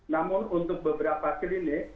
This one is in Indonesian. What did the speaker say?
namun untuk beberapa klinik